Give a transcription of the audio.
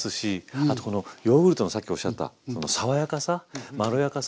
あとこのヨーグルトのさっきおっしゃったその爽やかさまろやかさ。